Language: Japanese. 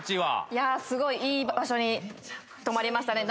いやすごいいい場所に止まりましたね。